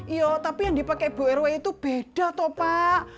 iya tapi yang dipakai bu erwe itu beda pak